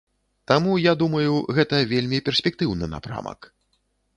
Таму я думаю, гэта вельмі перспектыўны напрамак.